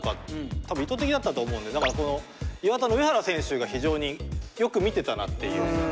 多分意図的だったと思うんでこの磐田の上原選手が非常によく見てたなっていう。